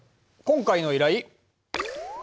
今回の依頼